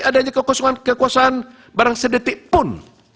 adanya kekuasaan barang sedetik pun